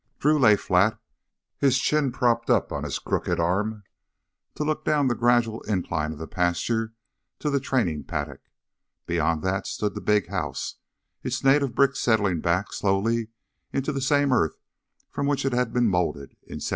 Drew lay flat, his chin propped upon his crooked arm to look down the gradual incline of the pasture to the training paddock. Beyond that stood the big house, its native brick settling back slowly into the same earth from which it had been molded in 1795.